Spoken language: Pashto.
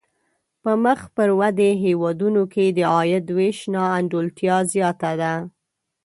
په مخ پر ودې هېوادونو کې د عاید وېش نا انډولتیا زیاته ده.